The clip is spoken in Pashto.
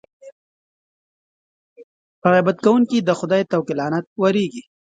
په غیبت کوونکي د خدای طوق لعنت اورېږي.